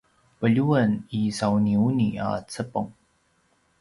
pelju’en isauniuni a cepeng